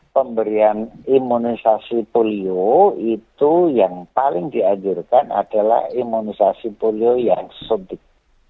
pemberian imunisasi polio itu yang paling dianjurkan adalah imunisasi polio yang sodik